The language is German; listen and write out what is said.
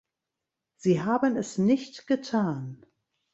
Sie haben es nicht getan.